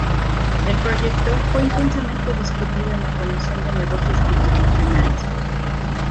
El proyecto fue intensamente discutido en la Comisión de Negocios Constitucionales.